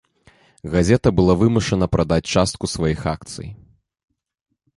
Газета была вымушана прадаць частку сваіх акцый.